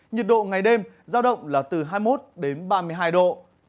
nhiệt độ ngày đêm giao động là từ hai mươi một đến ba mươi hai độ